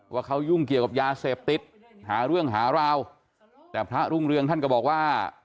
ว่าเขายุ่งเกี่ยวกับยาเสพติดหาเรื่องหาราวแต่พระรุ่งเรืองท่านก็บอกว่า